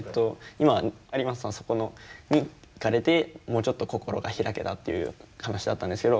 今有松さんはそこに行かれてもうちょっと心が開けたっていう話だったんですけど